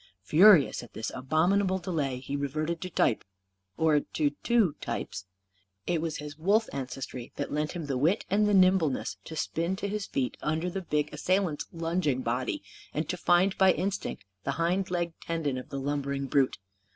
Furious at this abominable delay he reverted to type or to two types. It was his wolf ancestry that lent him the wit and the nimbleness to spin to his feet, under the big assailant's lunging body, and to find by instinct the hind leg tendon of the lumbering brute.